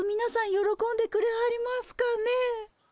よろこんでくれはりますかねえ。